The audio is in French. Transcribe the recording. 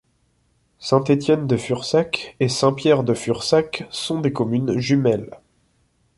Saint-Étienne-de-Fursac et Saint-Pierre-de-Fursac sont des communes jumelles.